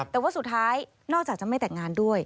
แต่ว่าสุดท้ายนอกจากจะไม่แต่งงานด้วย